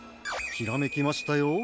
ひらめきましたよ。